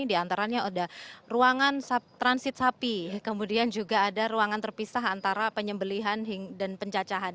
di antaranya ada ruangan transit sapi kemudian juga ada ruangan terpisah antara penyembelihan dan pencacahan